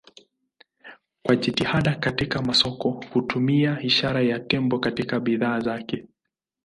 Kwa jitihada katika masoko hutumia ishara ya tembo katika bidhaa zake.